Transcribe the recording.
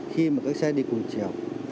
khi mà cái xe đi cùng chiều